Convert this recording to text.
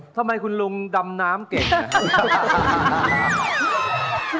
ทำไมคุณลุงดำน้ำเก่งอ่ะ